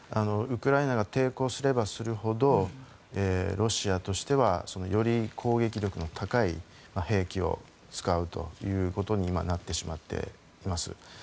ウクライナが抵抗すればするほどロシアとしてはより攻撃力が高い兵器を使うということになってしまっています。